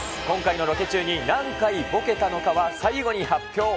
今回のロケ中に何回ボケたのかは最後に発表。